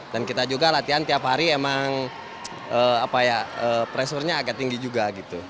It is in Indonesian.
dan kita juga latihan tiap hari emang pressure nya agak tinggi juga